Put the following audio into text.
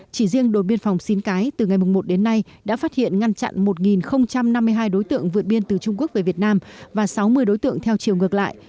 chỉ riêng đồn biên phòng xín cái từ ngày một đến nay đã phát hiện ngăn chặn một năm mươi hai đối tượng vượt biên từ trung quốc về việt nam và sáu mươi đối tượng theo chiều ngược lại